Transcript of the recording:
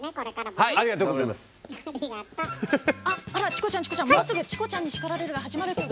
もうすぐ「チコちゃんに叱られる！」が始まるよ。